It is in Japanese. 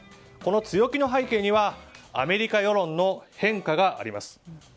この強気の背景にはアメリカ世論の変化があります。